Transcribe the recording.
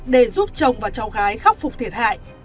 để giúp chồng và cháu gái khắc phục thiệt hại